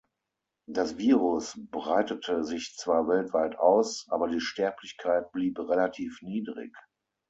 Das Virus breitete sich zwar weltweit aus, aber die Sterblichkeit blieb relativ niedrig.